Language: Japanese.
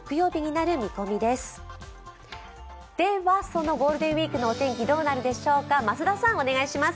そのゴールデンウイークのお天気、どうなるでしょうか？